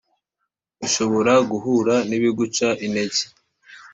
ushobora guhura n’ibiguca intege.